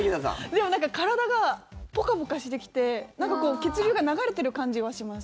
でも、なんか体がポカポカしてきて血流が流れてる感じはします。